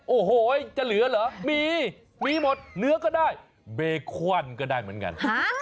โอ้โหจะเหลือเหรอมีมีหมดเนื้อก็ได้เบคอนก็ได้เหมือนกัน